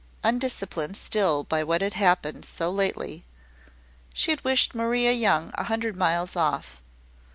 Undisciplined still by what had happened so lately, she had wished Maria Young a hundred miles off.